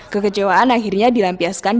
kekecewaan akhirnya dilampiaskan